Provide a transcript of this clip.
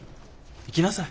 行きなさい。